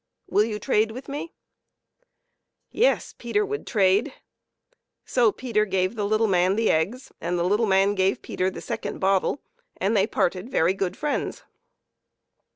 Will you trade with me?" Yes, Peter would trade. So Peter gave the little man the eggs, and the little man gave Peter the second bottle, and they parted very good friends.